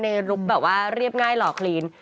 ลุคแบบว่าเรียบง่ายหล่อคลีน